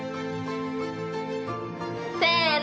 せの。